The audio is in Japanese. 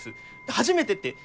「初めて」って。